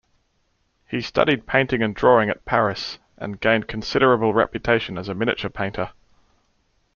He studied painting and drawing at Paris, and gained considerable reputation as a miniature-painter.